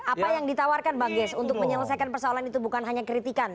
apa yang ditawarkan bang gies untuk menyelesaikan persoalan itu bukan hanya kritikan